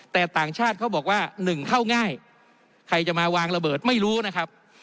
แต่ต่างชาติเขาบอกว่าหนึ่งเข้าง่ายใครจะมาวางระเบิดไม่รู้นะครับ